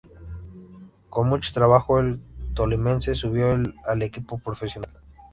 Con mucho trabajo, el tolimense subió al equipo profesional.